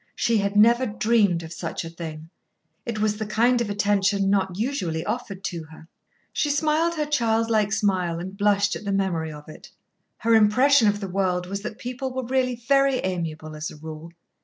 She had never dreamed of such a thing. It was the kind of attention not usually offered to her. She smiled her childlike smile and blushed at the memory of it. Her impression of the world was that people were really very amiable, as a rule.